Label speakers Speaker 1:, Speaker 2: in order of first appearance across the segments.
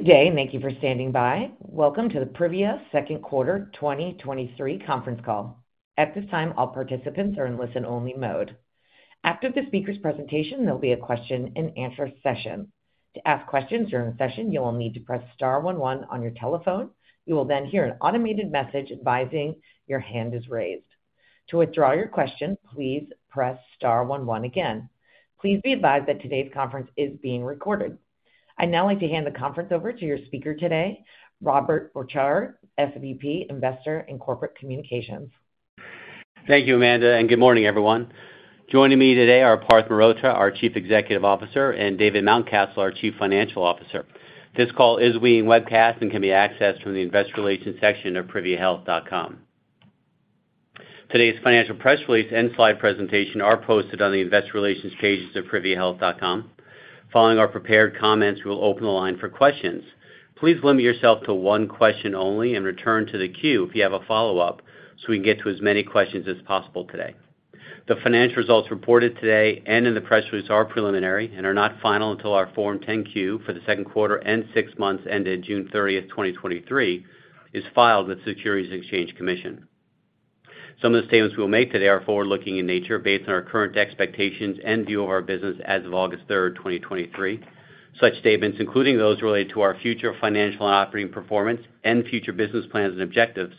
Speaker 1: Good day, and thank you for standing by. Welcome to the Privia second quarter 2023 conference call. At this time, all participants are in listen-only mode. After the speaker's presentation, there'll be a question-and-answer session. To ask questions during the session, you will need to press star one one on your telephone. You will then hear an automated message advising your hand is raised. To withdraw your question, please press star one one again. Please be advised that today's conference is being recorded. I'd now like to hand the conference over to your speaker today, Robert Orchard, SVP, Investor and Corporate Communications.
Speaker 2: Thank you, Amanda, good morning, everyone. Joining me today are Parth Mehrotra, our Chief Executive Officer, and David Mountcastle, our Chief Financial Officer. This call is being webcast and can be accessed from the investor relations section of priviahealth.com. Today's financial press release and slide presentation are posted on the investor relations pages of priviahealth.com. Following our prepared comments, we will open the line for questions. Please limit yourself to one question only and return to the queue if you have a follow-up, so we can get to as many questions as possible today. The financial results reported today and in the press release are preliminary and are not final until our Form 10-Q for the second quarter and six months ended June 30th, 2023, is filed with Securities and Exchange Commission. Some of the statements we'll make today are forward-looking in nature based on our current expectations and view of our business as of August 3rd, 2023. Such statements, including those related to our future financial and operating performance and future business plans and objectives,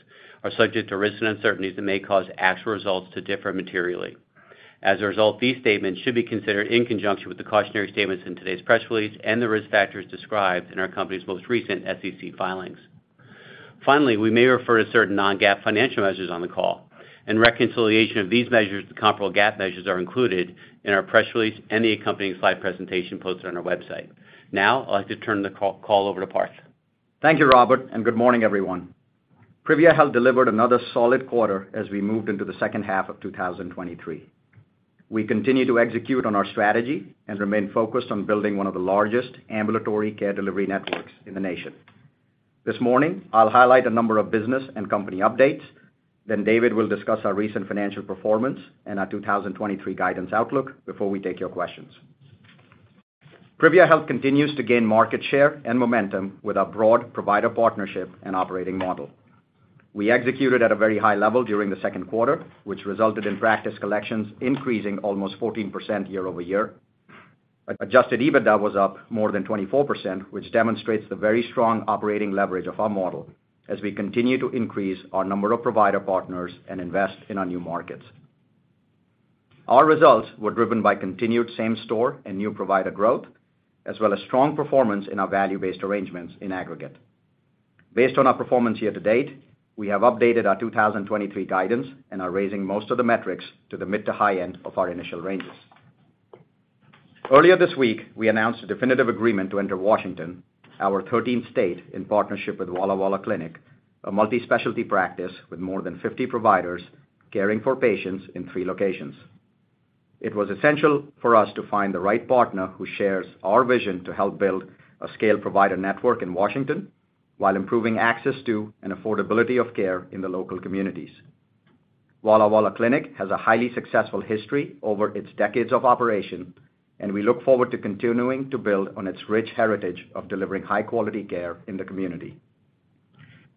Speaker 2: are subject to risks and uncertainties that may cause actual results to differ materially. As a result, these statements should be considered in conjunction with the cautionary statements in today's press release and the risk factors described in our company's most recent SEC filings. Finally, we may refer to certain non-GAAP financial measures on the call, and reconciliation of these measures to comparable GAAP measures are included in our press release and the accompanying slide presentation posted on our website. Now, I'd like to turn the call over to Parth.
Speaker 3: Thank you, Robert. Good morning, everyone. Privia Health delivered another solid quarter as we moved into the second half of 2023. We continue to execute on our strategy and remain focused on building one of the largest ambulatory care delivery networks in the nation. This morning, I'll highlight a number of business and company updates. David will discuss our recent financial performance and our 2023 guidance outlook before we take your questions. Privia Health continues to gain market share and momentum with our broad provider partnership and operating model. We executed at a very high level during the second quarter, which resulted in practice collections increasing almost 14% year-over-year. Adjusted EBITDA was up more than 24%, which demonstrates the very strong operating leverage of our model as we continue to increase our number of provider partners and invest in our new markets. Our results were driven by continued same store and new provider growth, as well as strong performance in our value-based arrangements in aggregate. Based on our performance year to date, we have updated our 2023 guidance and are raising most of the metrics to the mid to high end of our initial ranges. Earlier this week, we announced a definitive agreement to enter Washington, our 13th state, in partnership with Walla Walla Clinic, a multi-specialty practice with more than 50 providers caring for patients in three locations. It was essential for us to find the right partner who shares our vision to help build a scale provider network in Washington while improving access to and affordability of care in the local communities. Walla Walla Clinic has a highly successful history over its decades of operation, and we look forward to continuing to build on its rich heritage of delivering high-quality care in the community.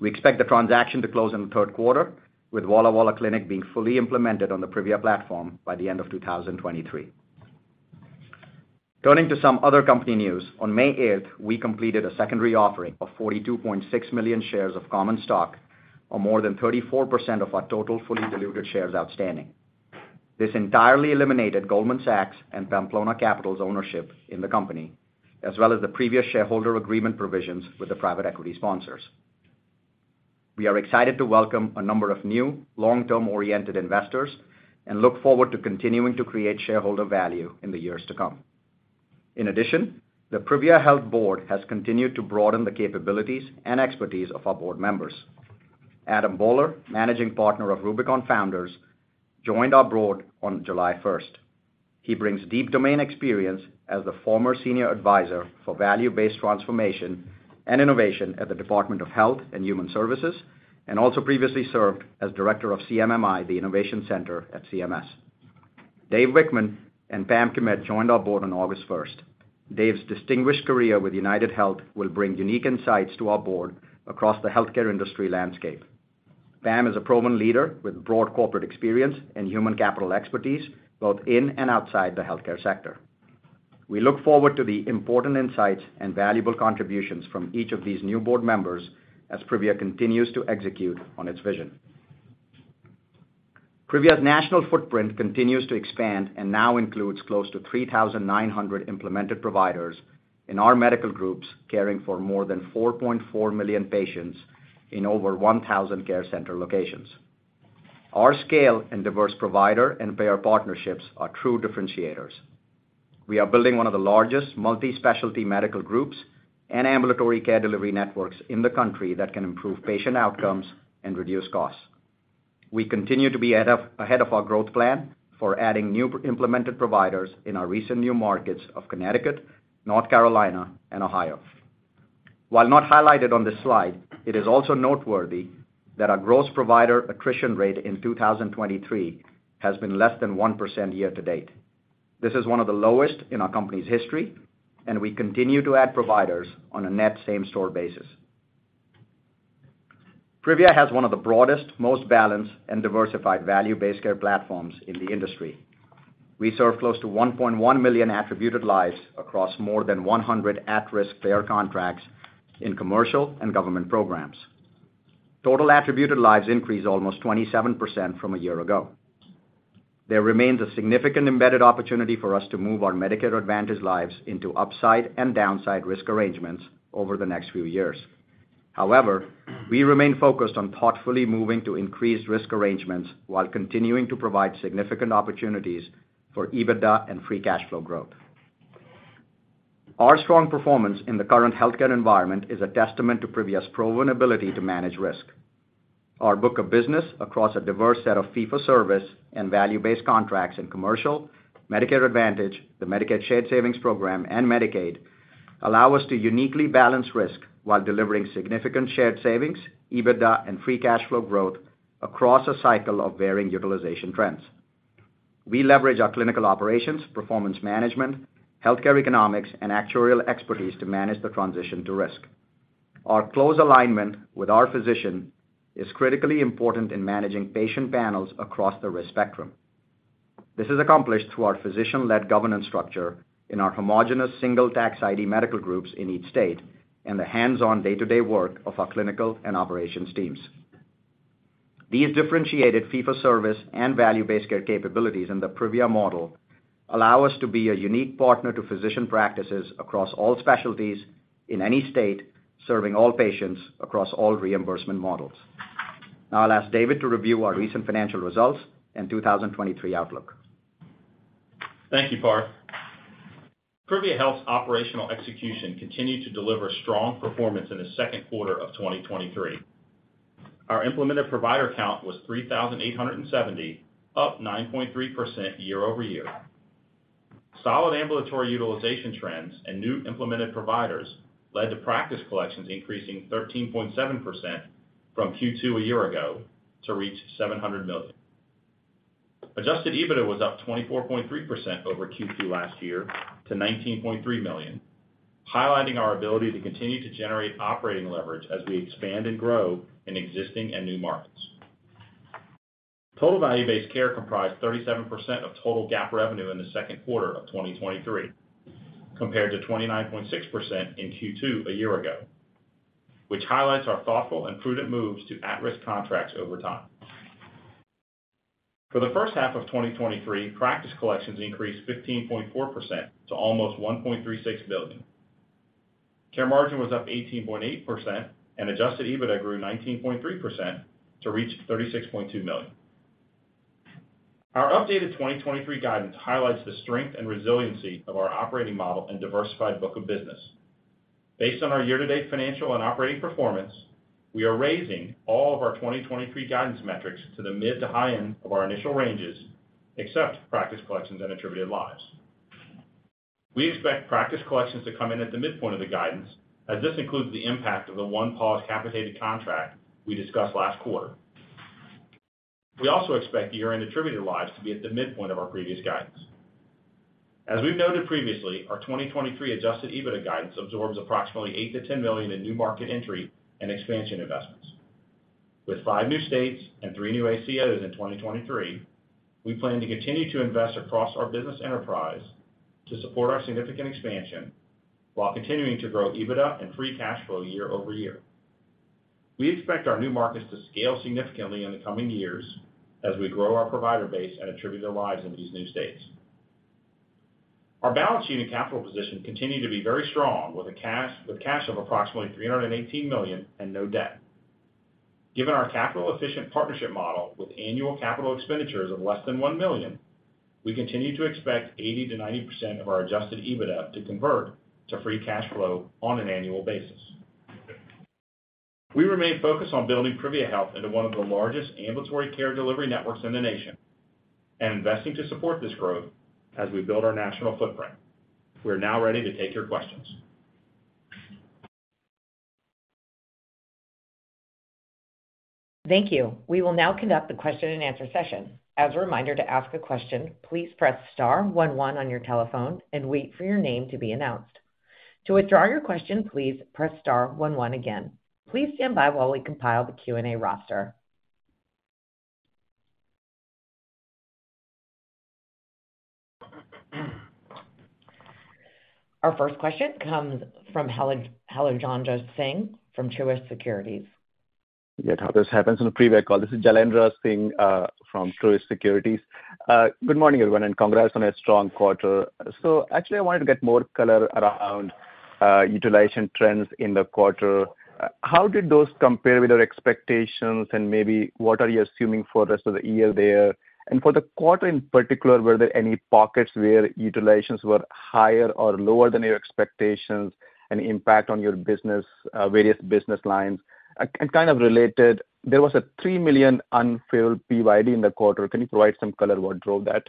Speaker 3: We expect the transaction to close in the third quarter, with Walla Walla Clinic being fully implemented on the Privia platform by the end of 2023. Turning to some other company news, on May eighth, we completed a secondary offering of 42.6 million shares of common stock, or more than 34% of our total fully diluted shares outstanding. This entirely eliminated Goldman Sachs and Pamplona Capital's ownership in the company, as well as the previous shareholder agreement provisions with the private equity sponsors. We are excited to welcome a number of new long-term-oriented investors and look forward to continuing to create shareholder value in the years to come. In addition, the Privia Health Board has continued to broaden the capabilities and expertise of our board members. Adam Boehler, Managing Partner of Rubicon Founders, joined our board on July first. He brings deep domain experience as the former Senior Advisor for Value-Based Transformation and Innovation at the Department of Health and Human Services, and also previously served as Director of CMMI, the Innovation Center at CMS. Dave Wichmann and Pamela Kimmet joined our board on August first. Dave's distinguished career with UnitedHealth will bring unique insights to our board across the healthcare industry landscape. Pam is a proven leader with broad corporate experience and human capital expertise, both in and outside the healthcare sector. We look forward to the important insights and valuable contributions from each of these new board members as Privia continues to execute on its vision. Privia's national footprint continues to expand and now includes close to 3,900 implemented providers in our medical groups, caring for more than 4.4 million patients in over 1,000 care center locations. Our scale and diverse provider and payer partnerships are true differentiators. We are building one of the largest multi-specialty medical groups and ambulatory care delivery networks in the country that can improve patient outcomes and reduce costs. We continue to be ahead of our growth plan for adding new implemented providers in our recent new markets of Connecticut, North Carolina, and Ohio. While not highlighted on this slide, it is also noteworthy that our gross provider attrition rate in 2023 has been less than 1% year to date. This is one of the lowest in our company's history, and we continue to add providers on a net same-store basis. Privia has one of the broadest, most balanced and diversified value-based care platforms in the industry. We serve close to 1.1 million attributed lives across more than 100 at-risk payer contracts in commercial and government programs. Total attributed lives increased almost 27% from a year ago. There remains a significant embedded opportunity for us to move our Medicare Advantage lives into upside and downside risk arrangements over the next few years. However, we remain focused on thoughtfully moving to increased risk arrangements while continuing to provide significant opportunities for EBITDA and free cash flow growth. Our strong performance in the current healthcare environment is a testament to Privia's proven ability to manage risk. Our book of business across a diverse set of fee-for-service and value-based contracts in commercial, Medicare Advantage, the Medicare Shared Savings Program, and Medicaid, allow us to uniquely balance risk while delivering significant shared savings, EBITDA, and free cash flow growth across a cycle of varying utilization trends. We leverage our clinical operations, performance management, healthcare economics, and actuarial expertise to manage the transition to risk. Our close alignment with our physician is critically important in managing patient panels across the risk spectrum. This is accomplished through our physician-led governance structure in our homogeneous single tax ID medical groups in each state, and the hands-on day-to-day work of our clinical and operations teams. These differentiated fee-for-service and value-based care capabilities in the Privia model allow us to be a unique partner to physician practices across all specialties in any state, serving all patients across all reimbursement models. Now I'll ask David to review our recent financial results and 2023 outlook.
Speaker 4: Thank you, Parth. Privia Health's operational execution continued to deliver strong performance in the second quarter of 2023. Our implemented provider count was 3,870, up 9.3% year-over-year. Solid ambulatory utilization trends and new implemented providers led to practice collections increasing 13.7% from Q2 a year ago to reach $700 million. Adjusted EBITDA was up 24.3% over Q2 last year to $19.3 million, highlighting our ability to continue to generate operating leverage as we expand and grow in existing and new markets. Total value-based care comprised 37% of total GAAP revenue in the second quarter of 2023, compared to 29.6% in Q2 a year ago, which highlights our thoughtful and prudent moves to at-risk contracts over time. For the first half of 2023, practice collections increased 15.4% to almost $1.36 billion. Care margin was up 18.8%, and adjusted EBITDA grew 19.3% to reach $36.2 million. Our updated 2023 guidance highlights the strength and resiliency of our operating model and diversified book of business. Based on our year-to-date financial and operating performance, we are raising all of our 2023 guidance metrics to the mid to high end of our initial ranges, except practice collections and attributed lives. We expect practice collections to come in at the midpoint of the guidance, as this includes the impact of the one paused capitated contract, we discussed last quarter. We also expect year-end attributed lives to be at the midpoint of our previous guidance. As we've noted previously, our 2023 adjusted EBITDA guidance absorbs approximately $8 million-$10 million in new market entry and expansion investments. With five new states and three new ACOs in 2023, we plan to continue to invest across our business enterprise to support our significant expansion while continuing to grow EBITDA and free cash flow year-over-year. We expect our new markets to scale significantly in the coming years as we grow our provider base and attributed lives in these new states. Our balance sheet and capital position continue to be very strong, with cash of approximately $318 million and no debt. Given our capital-efficient partnership model with annual capital expenditures of less than $1 million, we continue to expect 80%-90% of our adjusted EBITDA to convert to free cash flow on an annual basis. We remain focused on building Privia Health into one of the largest ambulatory care delivery networks in the nation and investing to support this growth as we build our national footprint. We are now ready to take your questions.
Speaker 1: Thank you. We will now conduct the question-and-answer session. As a reminder to ask a question, please press star one one on your telephone and wait for your name to be announced. To withdraw your question, please press star one one again. Please stand by while we compile the Q&A roster. Our first question comes from Jailendra Singh from Truist Securities.
Speaker 5: Yet how this happens in a preview call. This is Jailendra Singh, from Truist Securities. Good morning, everyone, and congrats on a strong quarter. Actually, I wanted to get more color around utilization trends in the quarter. How did those compare with your expectations? Maybe what are you assuming for the rest of the year there? For the quarter in particular, were there any pockets where utilizations were higher or lower than your expectations and impact on your business, various business lines? Kind of related, there was a $3 million unfavorable PYD in the quarter. Can you provide some color what drove that?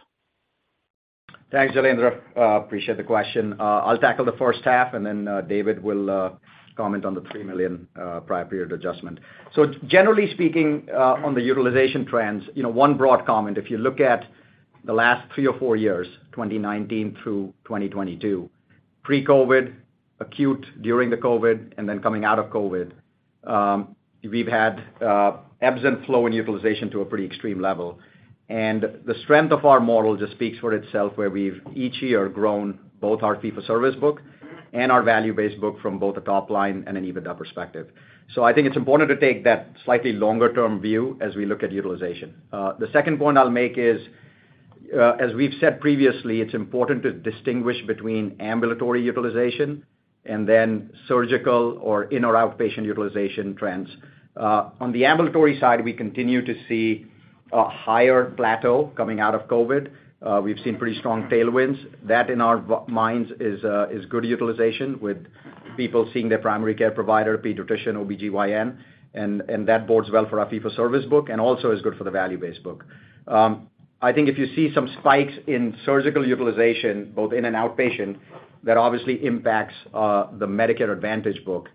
Speaker 3: Thanks, Jailendra. Appreciate the question. I'll tackle the first half, and then David will comment on the $3 million prior period adjustment. Generally speaking, on the utilization trends, you know, one broad comment, if you look at the last three or four years, 2019 through 2022, pre-COVID, acute during the COVID, and then coming out of COVID, we've had ebbs and flow in utilization to a pretty extreme level. The strength of our model just speaks for itself, where we've, each year, grown both our fee-for-service book and our value-based book from both a top line and an EBITDA perspective. I think it's important to take that slightly longer-term view as we look at utilization. The second point I'll make is, as we've said previously, it's important to distinguish between ambulatory utilization and then surgical or in or outpatient utilization trends. On the ambulatory side, we continue to see a higher plateau coming out of COVID. We've seen pretty strong tailwinds. That, in our minds, is good utilization with people seeing their primary care provider, pediatrician, OBGYN, and that bodes well for our fee-for-service book and also is good for the value-based book. I think if you see some spikes in surgical utilization, both in and outpatient, that obviously impacts the Medicare Advantage book.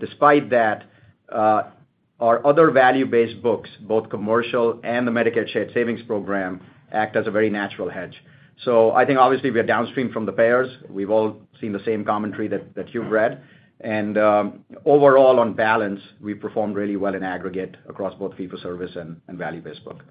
Speaker 3: Despite that, our other value-based books, both commercial and the Medicare Shared Savings Program, act as a very natural hedge. I think obviously, we are downstream from the payers. We've all seen the same commentary that, that you've read. Overall, on balance, we performed really well in aggregate across both fee-for-service and, and value-based book.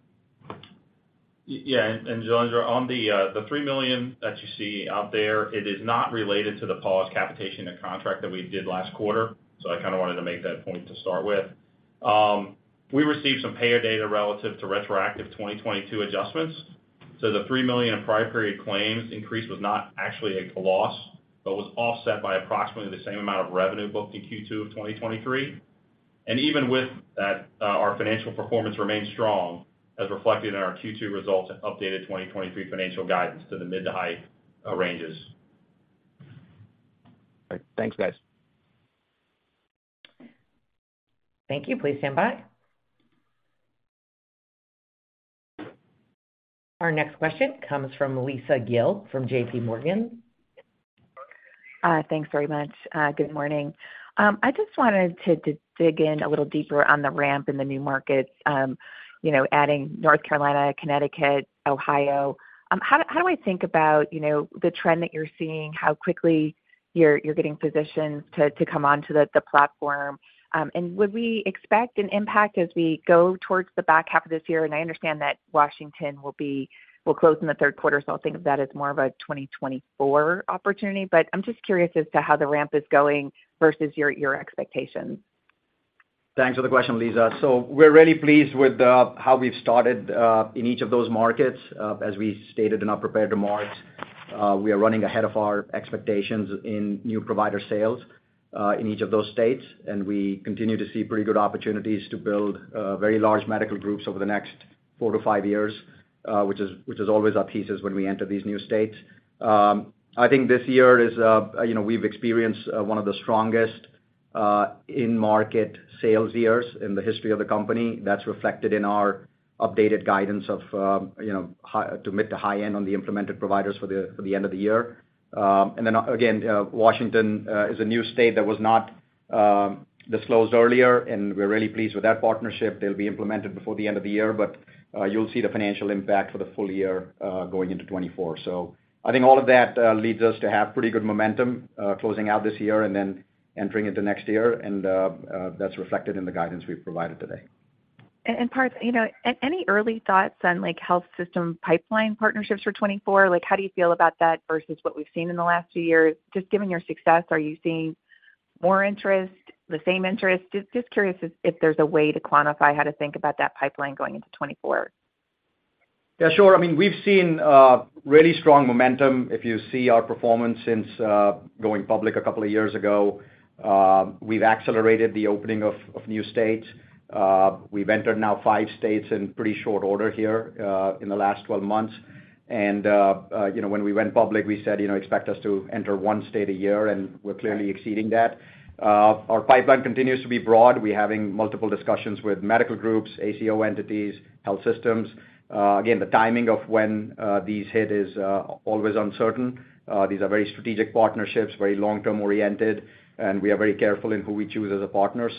Speaker 4: Yeah, and, and Jailendra, on the $3 million that you see out there, it is not related to the pause capitation, the contract that we did last quarter, so I kinda wanted to make that point to start with. We received some payer data relative to retroactive 2022 adjustments. The $3 million in prior period claims increase was not actually a loss, but was offset by approximately the same amount of revenue booked in Q2 of 2023. Even with that, our financial performance remains strong, as reflected in our Q2 results and updated 2023 financial guidance to the mid to high ranges.
Speaker 5: All right. Thanks, guys.
Speaker 1: Thank you. Please stand by. Our next question comes from Lisa Gill from J.P. Morgan.
Speaker 6: Thanks very much. Good morning. I just wanted to, to dig in a little deeper on the ramp in the new markets, you know, adding North Carolina, Connecticut, Ohio. How, how do I think about, you know, the trend that you're seeing, how quickly you're, you're getting physicians to, to come onto the, the platform? Would we expect an impact as we go towards the back half of this year? I understand that Washington will close in the third quarter, so I'll think of that as more of a 2024 opportunity. I'm just curious as to how the ramp is going versus your, your expectations.
Speaker 3: Thanks for the question, Lisa. We're really pleased with how we've started in each of those markets. As we stated in our prepared remarks, we are running ahead of our expectations in new provider sales in each of those states, and we continue to see pretty good opportunities to build very large medical groups over the next four to five years, which is, which is always our thesis when we enter these new states. I think this year is, you know, we've experienced one of the strongest in-market sales years in the history of the company. That's reflected in our updated guidance of, you know, high- to mid to high end on the implemented providers for the end of the year. Then, again, Washington is a new state that was not this closed earlier, and we're really pleased with that partnership. They'll be implemented before the end of the year, but you'll see the financial impact for the full year going into 2024. I think all of that leads us to have pretty good momentum closing out this year and then entering into next year, and that's reflected in the guidance we've provided today.
Speaker 6: Parth, you know, any early thoughts on, like, health system pipeline partnerships for 2024? How do you feel about that versus what we've seen in the last few years? Just given your success, are you seeing more interest, the same interest? Curious if there's a way to quantify how to think about that pipeline going into 2024.
Speaker 3: Yeah, sure. I mean, we've seen really strong momentum. If you see our performance since going public a couple of years ago, we've accelerated the opening of new states. We've entered now five states in pretty short order here in the last 12 months. You know, when we went public, we said, you know, "Expect us to enter one state a year," and we're clearly exceeding that. Our pipeline continues to be broad. We're having multiple discussions with medical groups, ACO entities, health systems. Again, the timing of when these hit is always uncertain. These are very strategic partnerships, very long-term oriented, and we are very careful in who we choose as a partner.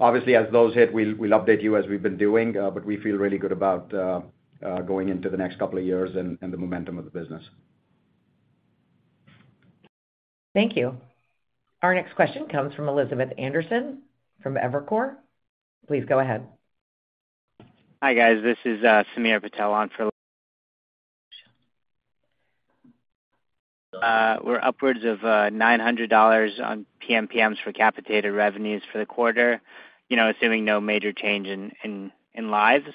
Speaker 3: obviously, as those hit, we'll, we'll update you as we've been doing, but we feel really good about going into the next couple of years and, and the momentum of the business.
Speaker 1: Thank you. Our next question comes from Elizabeth Anderson, from Evercore. Please go ahead.
Speaker 7: Hi, guys, this is Sameer Patel on for- We're upwards of $900 on PMPMs for capitated revenues for the quarter, you know, assuming no major change in, in, in lives.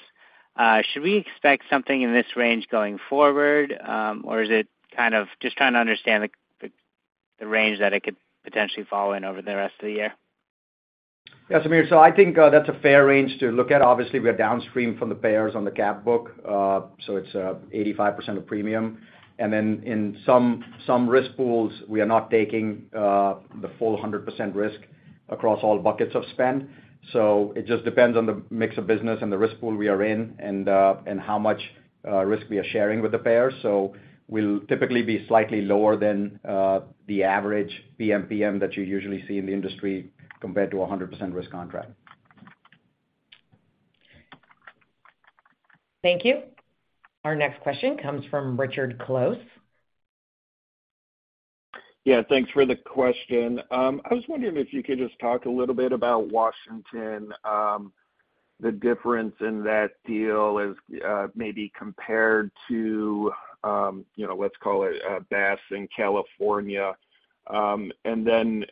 Speaker 7: Should we expect something in this range going forward, or is it kind of. Just trying to understand the, the, the range that it could potentially fall in over the rest of the year?
Speaker 3: Yeah, Sameer, I think that's a fair range to look at. Obviously, we are downstream from the payers on the cap book, so it's 85% of premium. Then in some, some risk pools, we are not taking the full 100% risk across all buckets of spend. It just depends on the mix of business and the risk pool we are in, and how much risk we are sharing with the payer. We'll typically be slightly lower than the average PMPM that you usually see in the industry, compared to a 100% risk contract.
Speaker 1: Thank you. Our next question comes from Richard Close.
Speaker 8: Yeah, thanks for the question. I was wondering if you could just talk a little bit about Washington, the difference in that deal as maybe compared to, you know, let's call it, BASS in California. Then,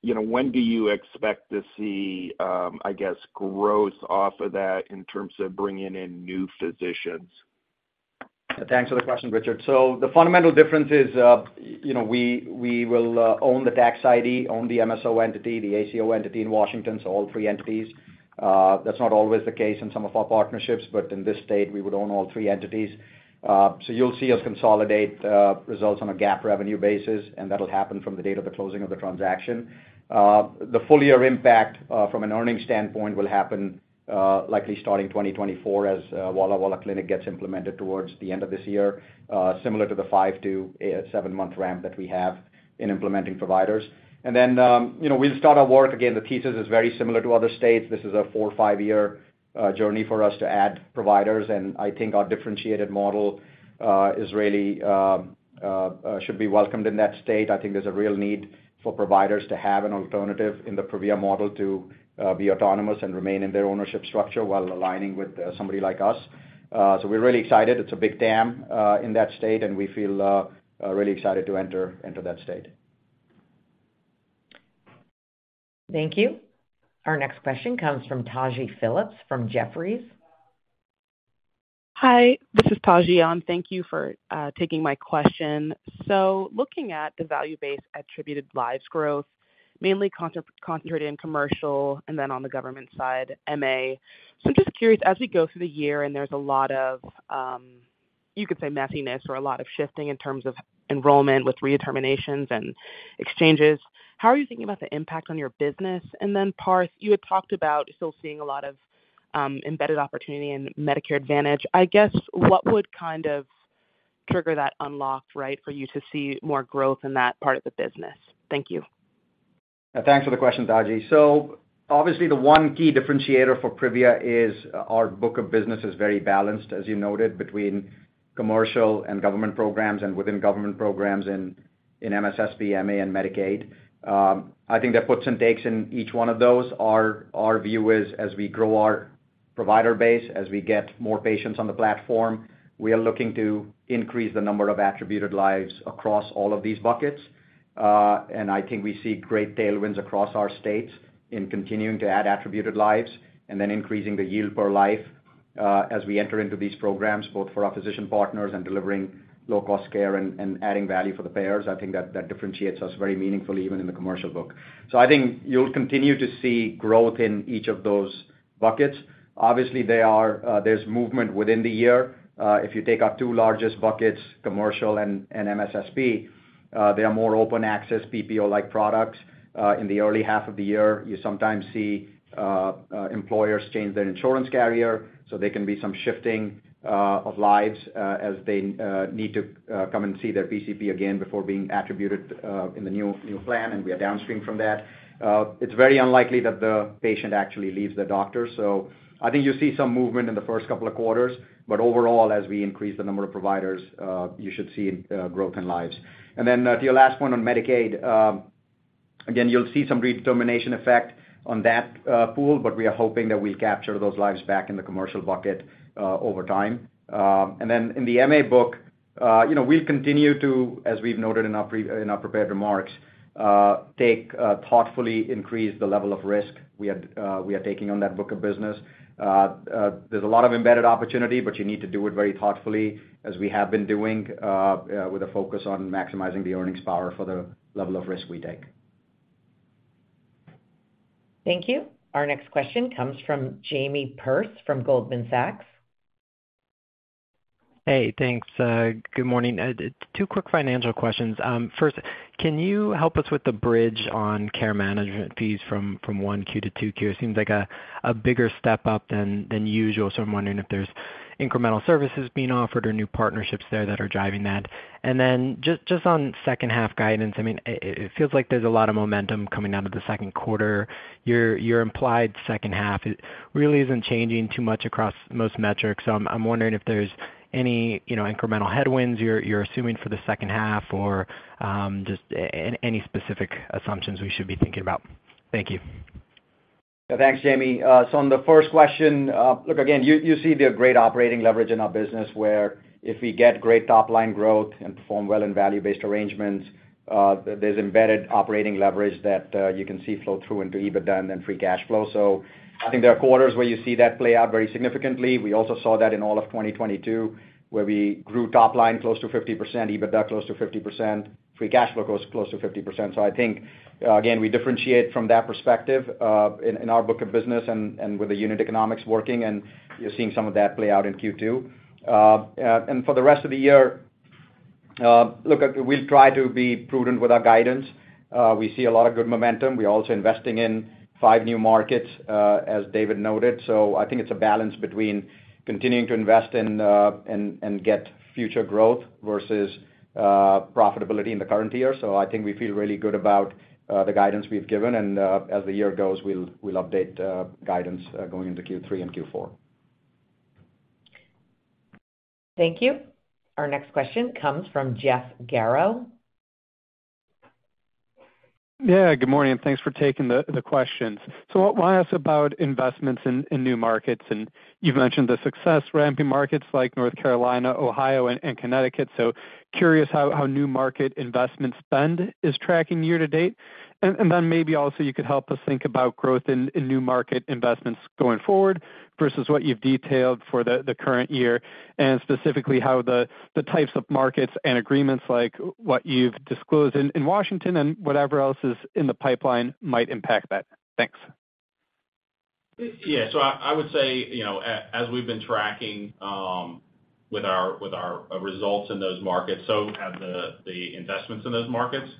Speaker 8: you know, when do you expect to see, I guess, growth off of that in terms of bringing in new physicians?
Speaker 3: Thanks for the question, Richard. The fundamental difference is, you know, we, we will, own the tax ID, own the MSO entity, the ACO entity in Washington, so all three entities. That's not always the case in some of our partnerships, but in this state, we would own all three entities. You'll see us consolidate results on a GAAP revenue basis, and that'll happen from the date of the closing of the transaction. The full year impact from an earnings standpoint will happen, likely starting 2024, as Walla Walla Clinic gets implemented towards the end of this year, similar to the five to seven month ramp that we have in implementing providers. You know, we'll start our work. Again, the thesis is very similar to other states. This is a four, five-year journey for us to add providers. I think our differentiated model is really should be welcomed in that state. I think there's a real need for providers to have an alternative in the Privia model to be autonomous and remain in their ownership structure while aligning with somebody like us. We're really excited. It's a big TAM in that state. We feel really excited to enter, enter that state.
Speaker 1: Thank you. Our next question comes from Taji Phillips from Jefferies.
Speaker 9: Hi, this is Taji Phillips, thank you for taking my question. Looking at the value-based attributed lives growth, mainly concentrated in commercial and then on the government side, MA. I'm just curious, as we go through the year, there's a lot of, you could say, messiness or a lot of shifting in terms of enrollment with redeterminations and exchanges, how are you thinking about the impact on your business? Then, Parth, you had talked about still seeing a lot of embedded opportunity in Medicare Advantage. I guess, what would kind of trigger that unlocked, right, for you to see more growth in that part of the business? Thank you.
Speaker 3: Thanks for the question, Taji. Obviously, the one key differentiator for Privia is our book of business is very balanced, as you noted, between commercial and government programs, and within government programs in, in MSSP, MA, and Medicaid. I think there are puts and takes in each one of those. Our, our view is as we grow our provider base, as we get more patients on the platform, we are looking to increase the number of attributed lives across all of these buckets. I think we see great tailwinds across our states in continuing to add attributed lives and then increasing the yield per life, as we enter into these programs, both for our physician partners and delivering low-cost care and, and adding value for the payers. I think that, that differentiates us very meaningfully, even in the commercial book. I think you'll continue to see growth in each of those buckets. Obviously, there's movement within the year. If you take our two largest buckets, commercial and MSSP, they are more open access PPO-like products. In the early half of the year, you sometimes see employers change their insurance carrier, so there can be some shifting of lives, as they need to come and see their PCP again before being attributed in the new, new plan, and we are downstream from that. It's very unlikely that the patient actually leaves the doctor. I think you'll see some movement in the first couple of quarters, but overall, as we increase the number of providers, you should see growth in lives. To your last point on Medicaid, again, you'll see some redetermination effect on that pool, but we are hoping that we'll capture those lives back in the commercial bucket over time. In the MA book, you know, we'll continue to, as we've noted in our prepared remarks, take thoughtfully increase the level of risk we are taking on that book of business. There's a lot of embedded opportunity, but you need to do it very thoughtfully, as we have been doing with a focus on maximizing the earnings power for the level of risk we take.
Speaker 1: Thank you. Our next question comes from Jamie Perse from Goldman Sachs.
Speaker 10: Hey, thanks. good morning. two quick financial questions. first, can you help us with the bridge on care management fees from 1Q to 2Q? It seems like a bigger step up than usual, so I'm wondering if there's incremental services being offered or new partnerships there that are driving that. Just on second half guidance, I mean, it feels like there's a lot of momentum coming out of the second quarter. Your implied second half, it really isn't changing too much across most metrics. So I'm wondering if there's any, you know, incremental headwinds you're assuming for the second half or, just any specific assumptions we should be thinking about. Thank you.
Speaker 3: Thanks, Jamie. On the first question, look, again, you, you see the great operating leverage in our business, where if we get great top-line growth and perform well in value-based arrangements, there's embedded operating leverage that you can see flow through into EBITDA and then free cash flow. I think there are quarters where you see that play out very significantly. We also saw that in all of 2022, where we grew top line close to 50%, EBITDA close to 50%, free cash flow close, close to 50%. I think, again, we differentiate from that perspective, in, in our book of business and, and with the unit economics working, and you're seeing some of that play out in Q2. For the rest of the year, look, we'll try to be prudent with our guidance. We see a lot of good momentum. We're also investing in five new markets, as David noted. I think it's a balance between continuing to invest in and get future growth versus profitability in the current year. I think we feel really good about the guidance we've given, as the year goes, we'll, we'll update guidance going into Q3 and Q4.
Speaker 1: Thank you. Our next question comes from Jeff Garro.
Speaker 11: Yeah, good morning, and thanks for taking the, the questions. I want to ask about investments in, in new markets, and you've mentioned the success ramping markets like North Carolina, Ohio, and, and Connecticut. Curious how, how new market investment spend is tracking year to date. Then maybe also you could help us think about growth in, in new market investments going forward versus what you've detailed for the, the current year, and specifically how the, the types of markets and agreements like what you've disclosed in, in Washington and whatever else is in the pipeline might impact that. Thanks.
Speaker 4: Yeah, I, I would say, you know, as we've been tracking, with our, with our results in those markets, so have the, the investments in those markets.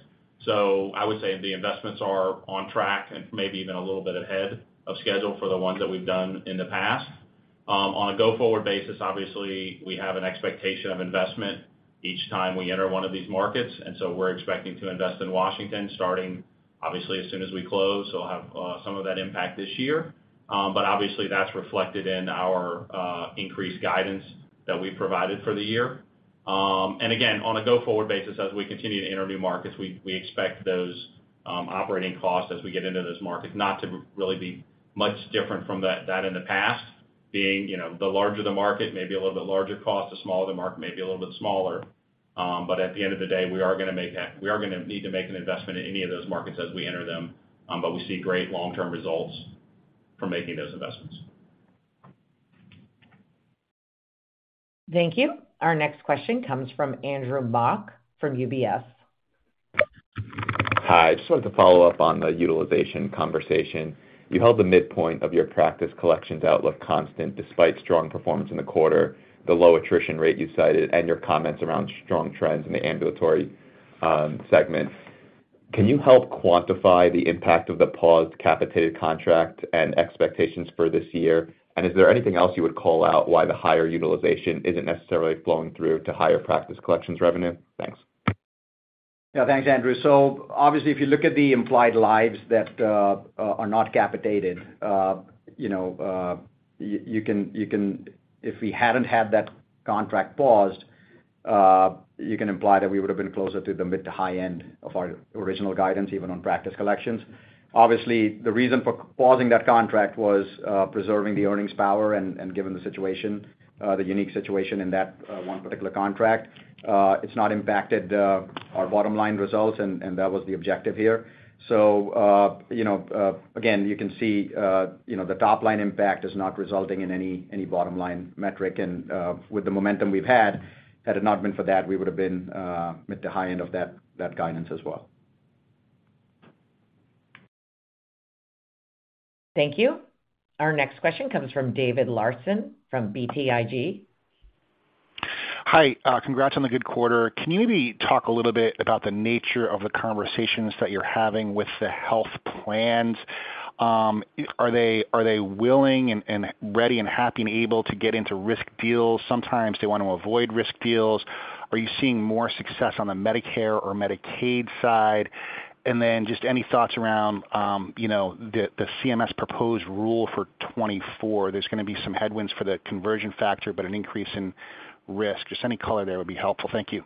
Speaker 4: I would say the investments are on track and maybe even a little bit ahead of schedule for the ones that we've done in the past. On a go-forward basis, obviously, we have an expectation of investment each time we enter one of these markets, and so we're expecting to invest in Washington, starting obviously as soon as we close. We'll have some of that impact this year. Obviously, that's reflected in our increased guidance that we provided for the year. Again, on a go-forward basis, as we continue to enter new markets, we, we expect those operating costs as we get into those markets, not to really be much different from that, that in the past, being, you know, the larger the market, maybe a little bit larger cost, the smaller the market, maybe a little bit smaller. At the end of the day, we are gonna need to make an investment in any of those markets as we enter them. We see great long-term results from making those investments.
Speaker 1: Thank you. Our next question comes from Andrew Mok, from UBS.
Speaker 12: Hi, I just wanted to follow up on the utilization conversation. You held the midpoint of your practice collections outlook constant, despite strong performance in the quarter, the low attrition rate you cited, and your comments around strong trends in the ambulatory, segment. Can you help quantify the impact of the paused capitated contract and expectations for this year? Is there anything else you would call out why the higher utilization isn't necessarily flowing through to higher practice collections revenue? Thanks.
Speaker 3: Yeah, thanks, Andrew. Obviously, if you look at the implied lives that are not capitated, you know, If we hadn't had that contract paused, you can imply that we would have been closer to the mid to high end of our original guidance, even on practice collections. Obviously, the reason for pausing that contract was preserving the earnings power and, and given the situation, the unique situation in that one particular contract. It's not impacted our bottom-line results, and, and that was the objective here. You know, again, you can see, you know, the top-line impact is not resulting in any, any bottom line metric. With the momentum we've had, had it not been for that, we would have been at the high end of that, that guidance as well.
Speaker 1: Thank you. Our next question comes from David Larsen from BTIG.
Speaker 13: Hi, congrats on the good quarter. Can you maybe talk a little bit about the nature of the conversations that you're having with the health plans? Are they, are they willing and, and ready and happy and able to get into risk deals? Sometimes they want to avoid risk deals. Are you seeing more success on the Medicare or Medicaid side? Then just any thoughts around, you know, the, the CMS proposed rule for 2024. There's gonna be some headwinds for the conversion factor, but an increase in risk. Just any color there would be helpful. Thank you.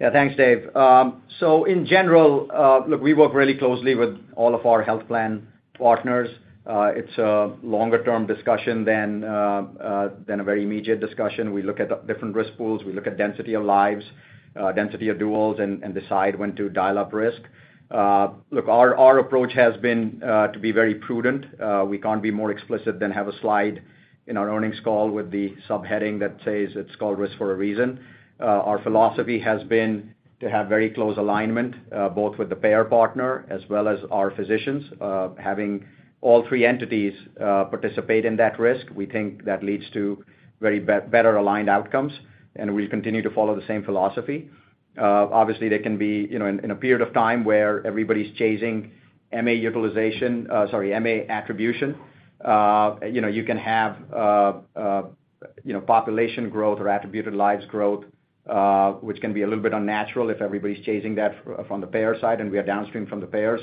Speaker 3: Yeah, thanks, Dave. In general, look, we work really closely with all of our health plan partners. It's a longer-term discussion than a very immediate discussion. We look at the different risk pools, we look at density of lives, density of duels, and decide when to dial up risk. Look, our approach has been to be very prudent. We can't be more explicit than have a slide in our earnings call with the subheading that says it's called Risk for a Reason. Our philosophy has been to have very close alignment both with the payer partner as well as our physicians. Having all three entities participate in that risk, we think that leads to very better aligned outcomes, and we continue to follow the same philosophy. Obviously, there can be, you know, in, in a period of time where everybody's chasing MA utilization-- sorry, MA attribution, you know, you can have, population growth or attributed lives growth, which can be a little bit unnatural if everybody's chasing that from the payer side, and we are downstream from the payer.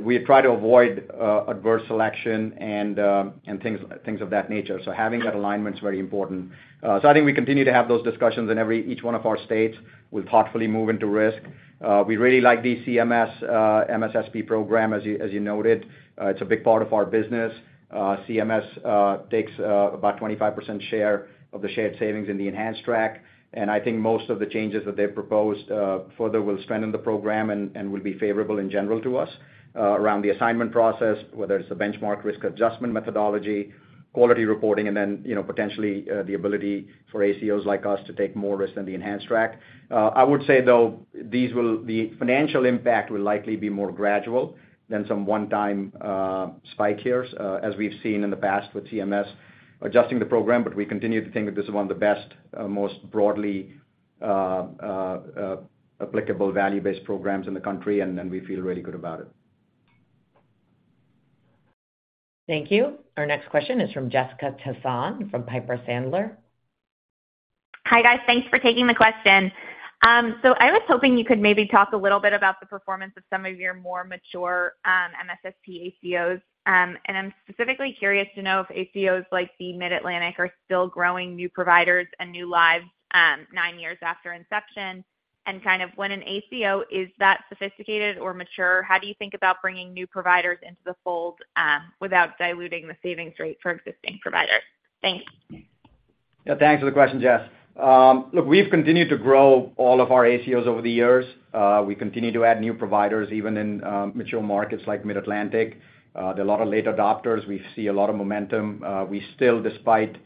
Speaker 3: We try to avoid adverse selection and things, things of that nature. Having that alignment is very important. I think we continue to have those discussions in every, each one of our states. We'll thoughtfully move into risk. We really like the CMS MSSP program, as you, as you noted. It's a big part of our business. CMS takes about 25% share of the shared savings in the enhanced track, I think most of the changes that they've proposed further will strengthen the program and will be favorable in general to us around the assignment process, whether it's the benchmark risk adjustment methodology, quality reporting, and then, you know, potentially the ability for ACOs like us to take more risk than the enhanced track. I would say, though, the financial impact will likely be more gradual than some one-time spike years as we've seen in the past with CMS adjusting the program. We continue to think that this is one of the best, most broadly applicable value-based programs in the country, and, and we feel really good about it.
Speaker 1: Thank you. Our next question is from Jessica Tassan from Piper Sandler.
Speaker 14: Hi, guys. Thanks for taking the question.
Speaker 15: I was hoping you could maybe talk a little bit about the performance of some of your more mature, MSSP ACOs. I'm specifically curious to know if ACOs like the Mid-Atlantic are still growing new providers and new lives, nine years after inception, and kind of when an ACO is that sophisticated or mature, how do you think about bringing new providers into the fold, without diluting the savings rate for existing providers? Thanks.
Speaker 3: Yeah, thanks for the question, Jess. Look, we've continued to grow all of our ACOs over the years. We continue to add new providers, even in mature markets like Mid-Atlantic. There are a lot of late adopters. We see a lot of momentum. We still, despite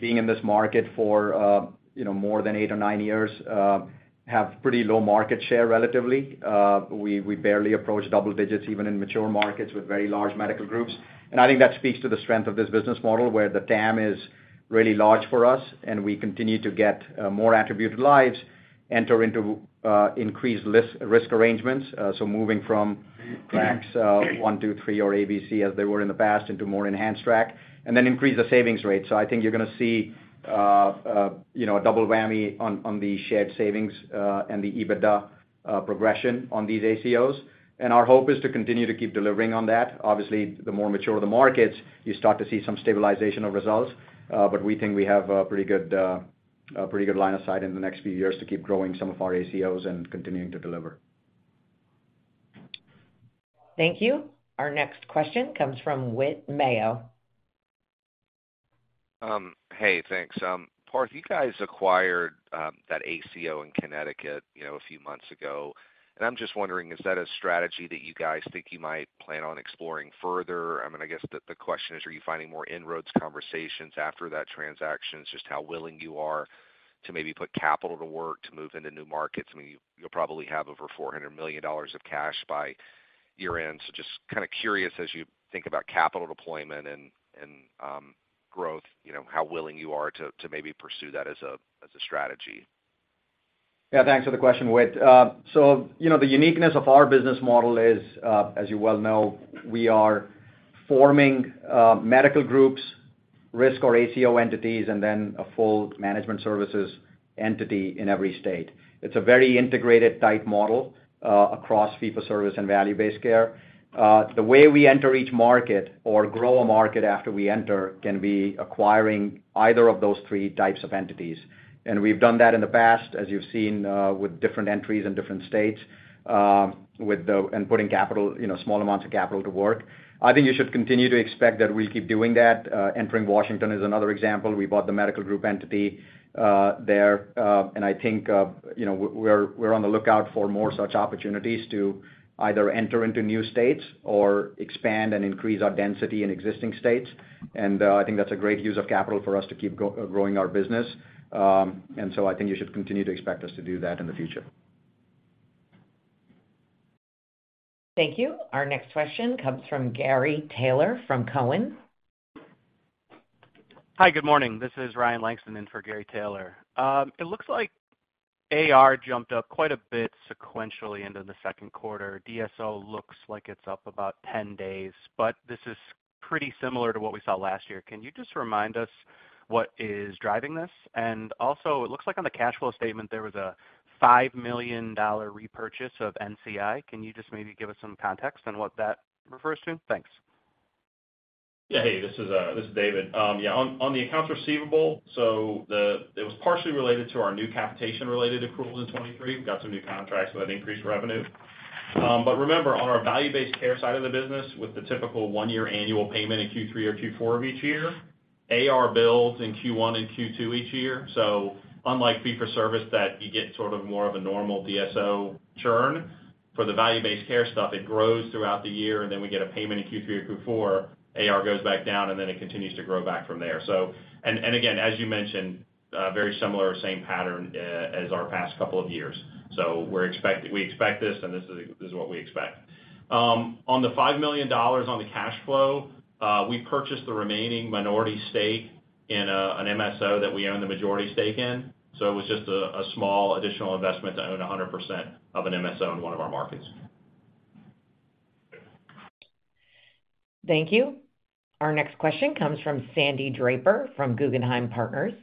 Speaker 3: being in this market for, you know, more than eight or nine years, have pretty low market share relatively. We, we barely approach double digits, even in mature markets with very large medical groups. I think that speaks to the strength of this business model, where the TAM is really large for us, and we continue to get more attributed lives enter into increased risk arrangements. Moving from tracks, one, two, three, or A, B, C, as they were in the past, into more enhanced track, and then increase the savings rate. I think you're gonna see, you know, a double whammy on, on the shared savings, and the EBITDA progression on these ACOs. Our hope is to continue to keep delivering on that. Obviously, the more mature the markets, you start to see some stabilization of results, we think we have a pretty good, a pretty good line of sight in the next few years to keep growing some of our ACOs and continuing to deliver.
Speaker 1: Thank you. Our next question comes from Whit Mayo.
Speaker 16: Hey, thanks. Parth, you guys acquired that ACO in Connecticut, you know, a few months ago. I'm just wondering, is that a strategy that you guys think you might plan on exploring further? I mean, I guess the question is, are you finding more inroads conversations after that transaction? Just how willing you are to maybe put capital to work to move into new markets. I mean, you'll probably have over $400 million of cash by year-end. Just kind of curious, as you think about capital deployment and, and growth, you know, how willing you are to pursue that as a strategy.
Speaker 3: Yeah, thanks for the question, Whit. You know, the uniqueness of our business model is, as you well know, we are forming medical groups, risk or ACO entities, and then a full management services entity in every state. It's a very integrated, tight model, across fee-for-service and value-based care. The way we enter each market or grow a market after we enter, can be acquiring either of those three types of entities. We've done that in the past, as you've seen, with different entries in different states, with the... And putting capital, you know, small amounts of capital to work. I think you should continue to expect that we keep doing that. Entering Washington is another example. We bought the medical group entity, there, and I think, you know, we're, we're on the lookout for more such opportunities to either enter into new states or expand and increase our density in existing states. I think that's a great use of capital for us to keep growing our business. So I think you should continue to expect us to do that in the future.
Speaker 1: Thank you. Our next question comes from Gary Taylor, from TD Cowen.
Speaker 15: Hi, good morning. This is Ryan Langston in for Gary Taylor. It looks like AR jumped up quite a bit sequentially into the second quarter. DSO looks like it's up about 10 days, but this is pretty similar to what we saw last year. Can you just remind us what is driving this? Also, it looks like on the cash flow statement, there was a $5 million repurchase of NCI. Can you just maybe give us some context on what that refers to? Thanks.
Speaker 4: Yeah. Hey, this is, this is David. Yeah, on, on the accounts receivable, it was partially related to our new capitation-related approvals in 2023. We got some new contracts, that increased revenue. Remember, on our value-based care side of the business, with the typical one-year annual payment in Q3 or Q4 of each year, AR bills in Q1 and Q2 each year. Unlike fee-for-service, that you get sort of more of a normal DSO churn, for the value-based care stuff, it grows throughout the year, and then we get a payment in Q3 or Q4, AR goes back down, and then it continues to grow back from there. Again, as you mentioned, very similar or same pattern, as our past couple of years. We expect this, and this is, this is what we expect. On the $5 million on the cash flow, we purchased the remaining minority stake in, an MSO that we own the majority stake in. It was just a, a small additional investment to own 100% of an MSO in one of our markets.
Speaker 1: Thank you. Our next question comes from Sandy Draper, from Guggenheim Securities.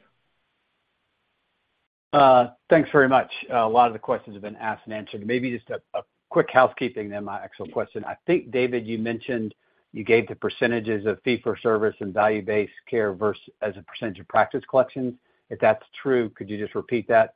Speaker 17: Thanks very much. A lot of the questions have been asked and answered. Maybe just a, a quick housekeeping, then my actual question. I think, David, you mentioned you gave the percentages of fee-for-service and value-based care versus, as a percentage of practice collections. If that's true, could you just repeat that?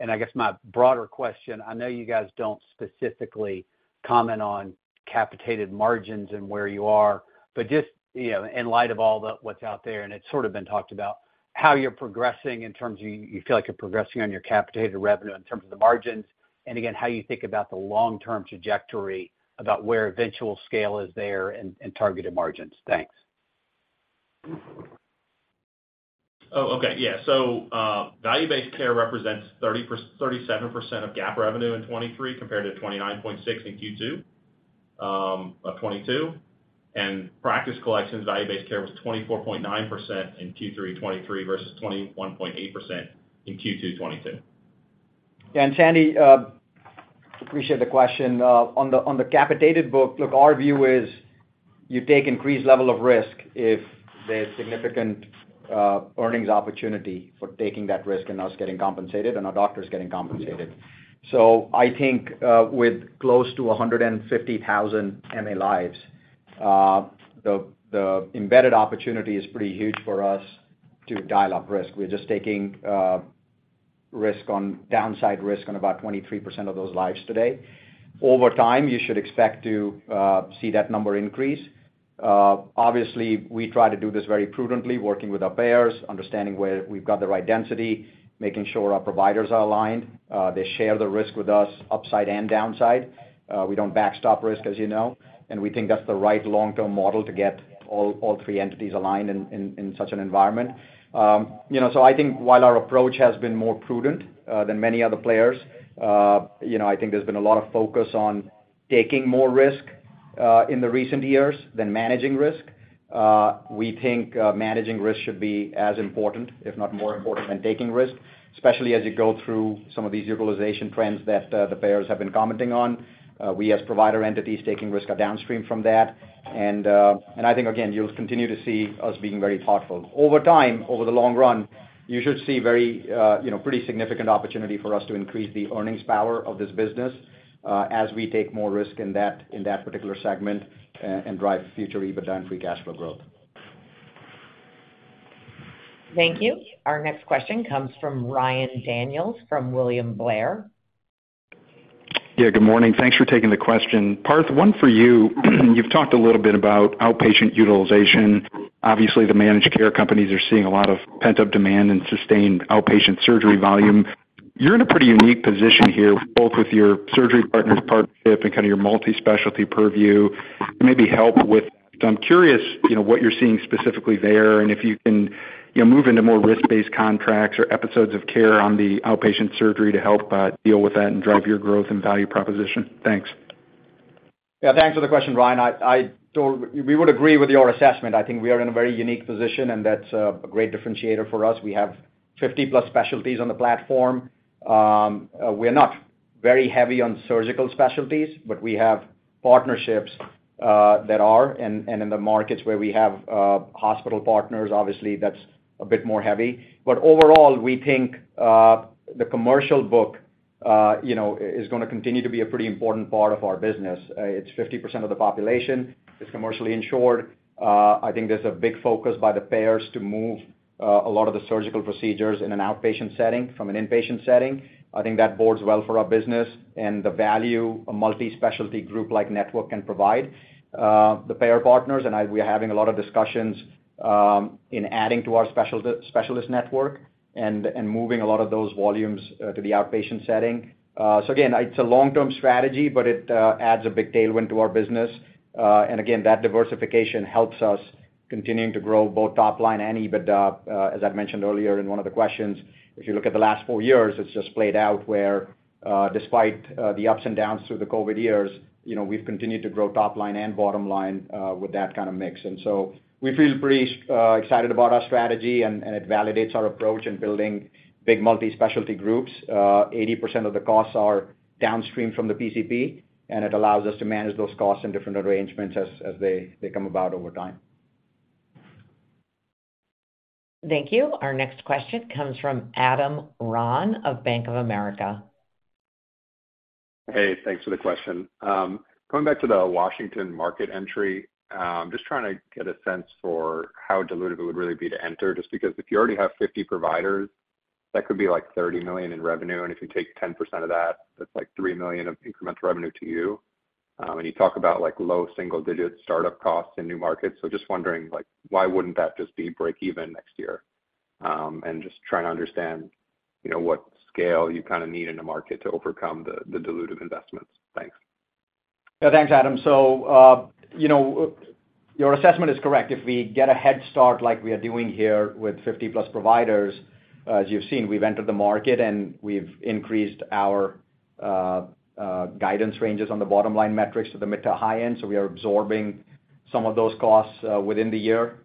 Speaker 17: And I guess my broader question, I know you guys don't specifically comment on capitated margins and where you are, but just, you know, in light of what's out there, and it's sort of been talked about, how you're progressing in terms of you, you feel like you're progressing on your capitated revenue in terms of the margins, and again, how you think about the long-term trajectory, about where eventual scale is there and, and targeted margins. Thanks.
Speaker 4: Oh, okay. Yeah. Value-based care represents 37% of GAAP revenue in 2023, compared to 29.6 in Q2 of 2022. Practice collections, value-based care was 24.9% in Q3 2023 versus 21.8% in Q2 2022.
Speaker 3: Sandy, Appreciate the question. On the, on the capitated book, look, our view is you take increased level of risk if there's significant earnings opportunity for taking that risk and us getting compensated, and our doctors getting compensated. I think, with close to 150,000 MA lives, the, the embedded opportunity is pretty huge for us to dial up risk. We're just taking risk on downside risk on about 23% of those lives today. Over time, you should expect to see that number increase. Obviously, we try to do this very prudently, working with our payers, understanding where we've got the right density, making sure our providers are aligned. They share the risk with us, upside and downside. We don't backstop risk, as you know, and we think that's the right long-term model to get all, all three entities aligned in, in, in such an environment. You know, I think while our approach has been more prudent than many other players, you know, I think there's been a lot of focus on taking more risk in the recent years than managing risk. We think managing risk should be as important, if not more important than taking risk, especially as you go through some of these utilization trends that the payers have been commenting on. We as provider entities taking risk are downstream from that, and, and I think, again, you'll continue to see us being very thoughtful. Over time, over the long run, you should see very, you know, pretty significant opportunity for us to increase the earnings power of this business, as we take more risk in that, in that particular segment, and drive future EBITDA and free cash flow growth.
Speaker 1: Thank you. Our next question comes from Ryan Daniels from William Blair.
Speaker 18: Yeah, good morning. Thanks for taking the question. Parth, one for you. You've talked a little bit about outpatient utilization. Obviously, the managed care companies are seeing a lot of pent-up demand and sustained outpatient surgery volume. You're in a pretty unique position here, both with your surgery partners, partnership, and kind of your multi-specialty purview. Maybe help with... I'm curious, you know, what you're seeing specifically there, and if you can, you know, move into more risk-based contracts or episodes of care on the outpatient surgery to help deal with that and drive your growth and value proposition? Thanks.
Speaker 3: Yeah, thanks for the question, Ryan. We would agree with your assessment. I think we are in a very unique position, and that's a great differentiator for us. We have 50-plus specialties on the platform. We're not very heavy on surgical specialties, but we have partnerships that are, and in the markets where we have hospital partners, obviously, that's a bit more heavy. Overall, we think the commercial book, you know, is gonna continue to be a pretty important part of our business. It's 50% of the population is commercially insured. I think there's a big focus by the payers to move a lot of the surgical procedures in an outpatient setting from an inpatient setting. I think that bodes well for our business and the value a multi-specialty group like network can provide the payer partners. We're having a lot of discussions in adding to our specialist network and moving a lot of those volumes to the outpatient setting. Again, it's a long-term strategy, but it adds a big tailwind to our business. Again, that diversification helps us continuing to grow both top line and EBITDA. I mentioned earlier in one of the questions, if you look at the last four years, it's just played out where despite the ups and downs through the COVID years, you know, we've continued to grow top line and bottom line with that kind of mix. We feel pretty excited about our strategy, and it validates our approach in building big multi-specialty groups. 80% of the costs are downstream from the PCP, and it allows us to manage those costs in different arrangements as they come about over time.
Speaker 1: Thank you. Our next question comes from Adam Ron of Bank of America.
Speaker 19: Hey, thanks for the question. Going back to the Washington market entry, just trying to get a sense for how dilutive it would really be to enter, just because if you already have 50 providers, that could be like $30 million in revenue, and if you take 10% of that, that's like $3 million of incremental revenue to you. You talk about, like, low single-digit startup costs in new markets. Just wondering, like, why wouldn't that just be break even next year? Just trying to understand, you know, what scale you kinda need in the market to overcome the, the dilutive investments. Thanks.
Speaker 3: Yeah, thanks, Adam. Your assessment is correct. If we get a head start like we are doing here with 50+ providers, as you've seen, we've entered the market and we've increased our guidance ranges on the bottom line metrics to the mid to high end. We are absorbing some of those costs within the year,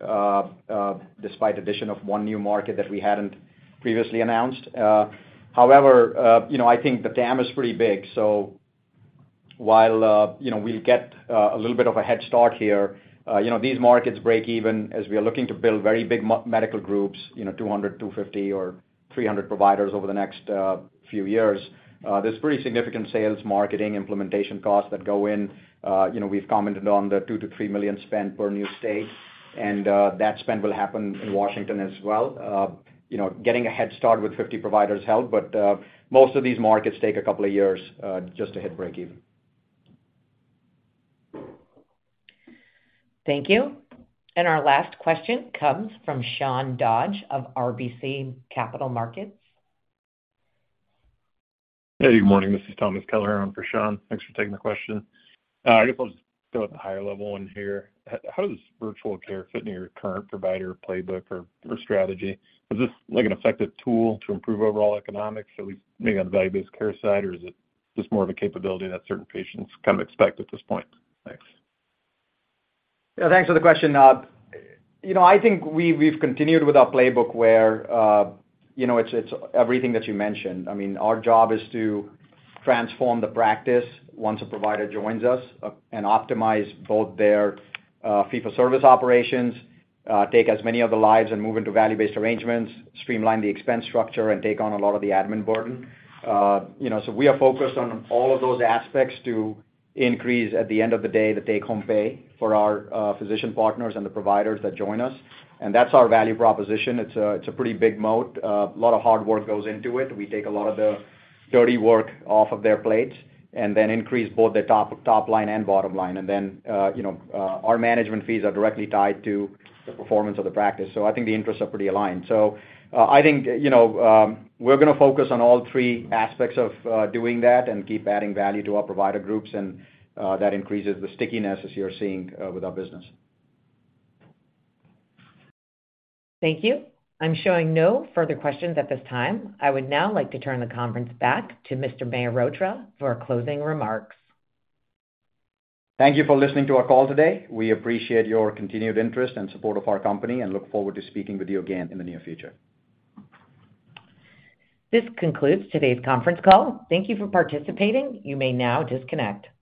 Speaker 3: despite addition of one new market that we hadn't previously announced. However, I think the TAM is pretty big. While we'll get a little bit of a head start here, these markets break even as we are looking to build very big medical groups, you know, 200, 250 or 300 providers over the next few years. There's pretty significant sales, marketing, implementation costs that go in. You know, we've commented on the $2 million-$3 million spent per new state, and that spend will happen in Washington as well. You know, getting a head start with 50 providers helped, but most of these markets take a couple of years just to hit breakeven.
Speaker 1: Thank you. Our last question comes from Sean Dodge of RBC Capital Markets.
Speaker 20: Hey, good morning. This is Thomas Kelliher on for Sean. Thanks for taking the question. I guess I'll just go with the higher level one here. How does virtual care fit into your current provider playbook or strategy? Is this, like, an effective tool to improve overall economics, at least maybe on the value-based care side, or is it just more of a capability that certain patients come expect at this point? Thanks.
Speaker 3: Yeah, thanks for the question. you know, I think we've, we've continued with our playbook where, you know, it's, it's everything that you mentioned. I mean, our job is to transform the practice once a provider joins us, and optimize both their fee-for-service operations, take as many of the lives and move into value-based arrangements, streamline the expense structure, and take on a lot of the admin burden. you know, we are focused on all of those aspects to increase, at the end of the day, the take-home pay for our physician partners and the providers that join us, and that's our value proposition. It's a, it's a pretty big moat. A lot of hard work goes into it. We take a lot of the dirty work off of their plates and then increase both the top, top line and bottom line. Then, you know, our management fees are directly tied to the performance of the practice. I think the interests are pretty aligned. I think, you know, we're gonna focus on all three aspects of doing that and keep adding value to our provider groups, and that increases the stickiness as you're seeing with our business.
Speaker 1: Thank you. I'm showing no further questions at this time. I would now like to turn the conference back to Mr. Parth Mehrotra for closing remarks.
Speaker 3: Thank you for listening to our call today. We appreciate your continued interest and support of our company, and look forward to speaking with you again in the near future.
Speaker 1: This concludes today's conference call. Thank you for participating. You may now disconnect.